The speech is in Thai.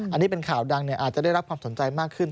อันนี้เป็นข่าวดังอาจจะได้รับความสนใจมากขึ้น